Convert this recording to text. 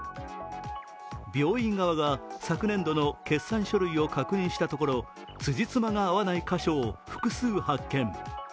病院側が昨年度の決算書類を確認したところ、つじつまが合わない箇所を複数発見。